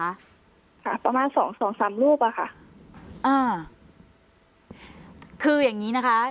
ค่ะประมาณสองสองสามรูปอ่ะค่ะอ่าคืออย่างงี้นะคะ